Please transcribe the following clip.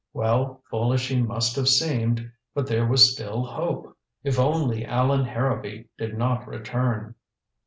Well, foolish he must have seemed. But there was still hope. If only Allan Harrowby did not return.